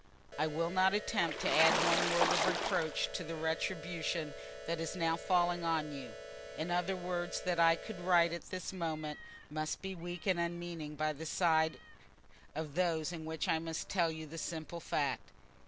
"I will not attempt to add by one word of reproach to the retribution that is now falling on you: any other words that I could write at this moment must be weak and unmeaning by the side of those in which I must tell you the simple fact.